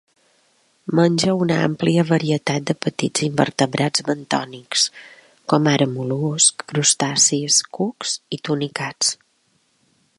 Menja una àmplia varietat de petits invertebrats bentònics, com ara mol·luscs, crustacis, cucs i tunicats.